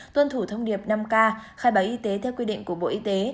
tuân thủ thông điệp năm k khai báo y tế theo quy định của bộ y tế